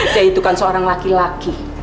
dia itu kan seorang laki laki